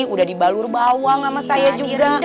udah dibalur bawang sama saya juga